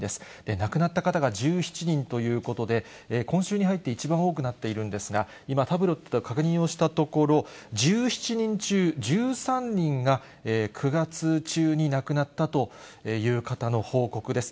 亡くなった方が１７人ということで、今週に入って一番多くなっているんですが、今、タブレットで確認をしたところ、１７人中１３人が９月中に亡くなったという方の報告です。